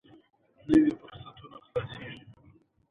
نوي فرصتونه خلاصېږي.